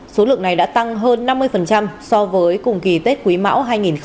số lượng này đã tăng hơn năm mươi so với cùng kỳ tết quý mão hai nghìn hai mươi ba